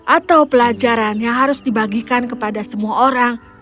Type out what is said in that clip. atau pelajaran yang harus dibagikan kepada semua orang